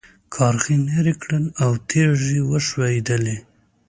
کارغې ناره کړه او تيږې وښوېدلې.